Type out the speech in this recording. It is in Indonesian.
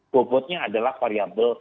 bobotnya adalah variable